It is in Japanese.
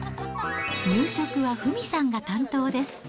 夕食は富美さんが担当です。